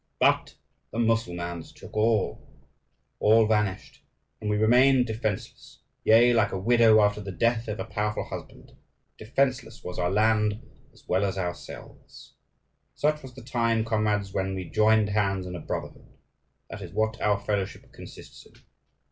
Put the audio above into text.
But the Mussulmans took all; all vanished, and we remained defenceless; yea, like a widow after the death of a powerful husband: defenceless was our land as well as ourselves! Such was the time, comrades, when we joined hands in a brotherhood: that is what our fellowship consists in.